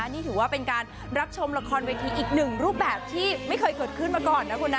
นี่ถือว่าเป็นการรับชมละครเวทีอีกหนึ่งรูปแบบที่ไม่เคยเกิดขึ้นมาก่อนนะคุณนะ